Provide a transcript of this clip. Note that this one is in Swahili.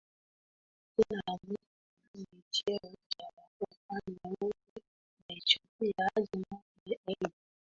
jina la mtu fulani ni cheo cha wafalme wote wa Ethiopia hadi mwaka elgu